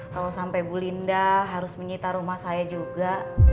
kalau sampai bu linda harus menyita rumah saya juga